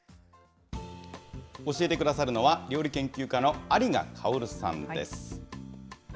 教えてくださるのは、料理研究家の有賀薫さんです。